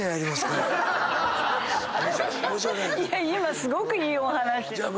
いや今すごくいいお話。